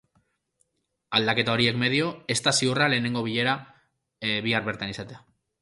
Aldaketa horiek medio, ez da ziurra lehenengo bilera bihar bertan izatea.